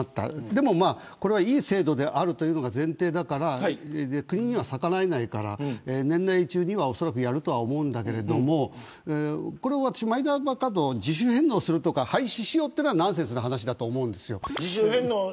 でも、いい制度であるというのが前提だから国には逆らえないから年内中にはやると思うけどマイナンバーカードを自主返納するとか廃止というのはナンセンスな話だと思います。